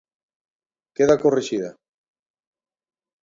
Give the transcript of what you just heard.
Queda corrixida.